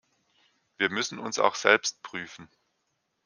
Wir müssen uns auch selbst prüfen.